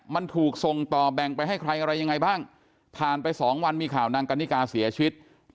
มันถูกส่งต่อแบ่งไปให้ใครอะไรยังไงบ้างผ่านไป๒วันมีข่าวนางกันนิกาเสียชีวิต